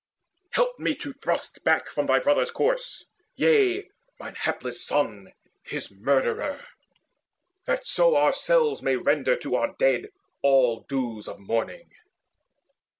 Help me to thrust back from thy brother's corse, Yea, from mine hapless son, his murderer, That so ourselves may render to our dead All dues of mourning.